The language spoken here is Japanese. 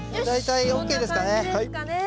大体ＯＫですかね。